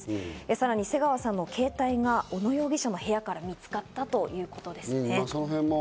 さらに瀬川さんの携帯が小野容疑者の部屋から見つかったということですね。